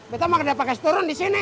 beto mah udah pake seturun di sini